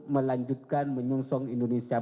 melanjutkan menyungsong indonesia